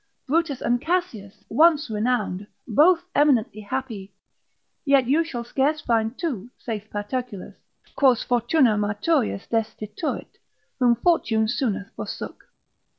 Brutus and Cassius, once renowned, both eminently happy, yet you shall scarce find two (saith Paterculus) quos fortuna maturius destiturit, whom fortune sooner forsook.